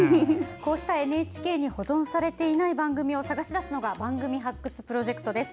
こうしたＮＨＫに保存されていない番組を探し出すというのが番組発掘プロジェクトです。